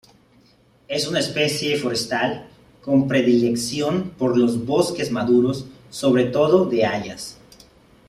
Es una especie forestal, con predilección por los bosques maduros, sobre todo de hayas.